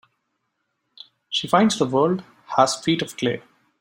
She finds the world has feet of clay.